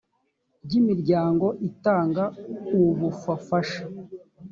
ry imiryango itanga ubufafasha